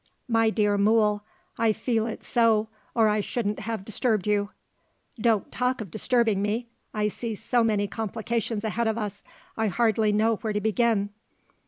"My dear Mool, I feel it so or I shouldn't have disturbed you." "Don't talk of disturbing me! I see so many complications ahead of us, I hardly know where to begin."